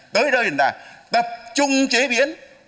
tới đây là tập trung chế biến